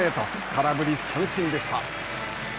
空振り三振でした。